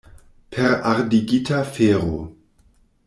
Per ardigita fero!